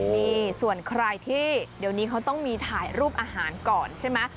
นี่ส่วนใครที่เดี๋ยวนี้เขาต้องมีถ่ายรูปอาหารก่อนใช่ไหม